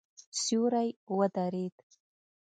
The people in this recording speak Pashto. سیوری ودرېد.